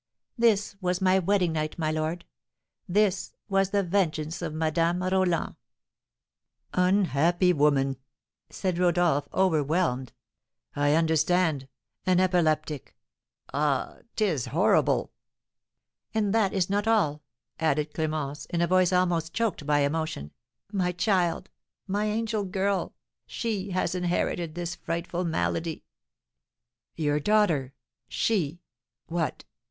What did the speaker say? This was my wedding night, my lord, this was the vengeance of Madame Roland!" "Unhappy woman!" said Rodolph, overwhelmed. "I understand, an epileptic. Ah, 'tis horrible!" "And that is not all," added Clémence, in a voice almost choked by emotion; "my child, my angel girl, she has inherited this frightful malady." "Your daughter! She! What?